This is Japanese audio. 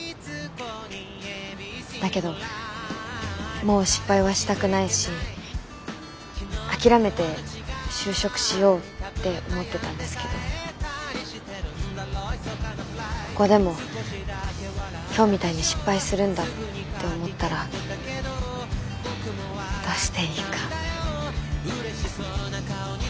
だけどもう失敗はしたくないし諦めて就職しようって思ってたんですけどここでも今日みたいに失敗するんだって思ったらどうしていいか。